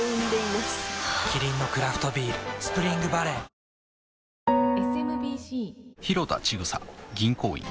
キリンのクラフトビール「スプリングバレー」果たして？